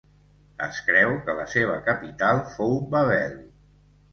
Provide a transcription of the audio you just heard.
Es creu que la seva capital fou Babel.